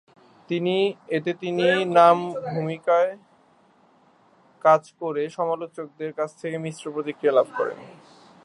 এতে তিনি নাম ভূমিকায় কাজ করে সমালোচকদের কাছ থেকে মিশ্র প্রতিক্রিয়া লাভ করেন।